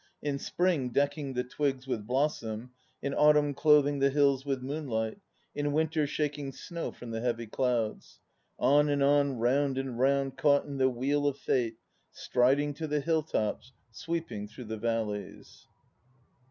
In spring decking the twigs with blossom, in autumn clothing the hills with moonlight, in winter shaking snow from the heavy clouds. "On and on, round and round, caught in the Wheel of Fate. ... Striding to the hill tops, sweeping through the valleys.